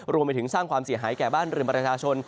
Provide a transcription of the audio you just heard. รวมไปถึงสร้างความเสียหายแก่บ้านเรือนประชาชน